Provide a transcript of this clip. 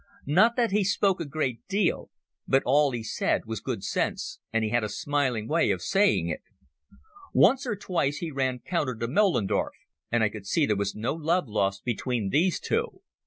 Not that he spoke a great deal, but all he said was good sense, and he had a smiling way of saying it. Once or twice he ran counter to Moellendorff, and I could see there was no love lost between these two.